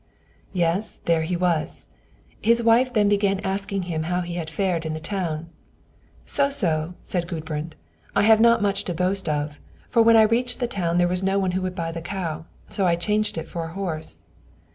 Yes, there he was. His wife then began asking him how he had fared in the town. "So so," said Gudbrand: "I have not much to boast of; for when I reached the town there was no one who would buy the cow, so I changed it for a horse."